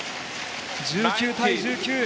１９対１９。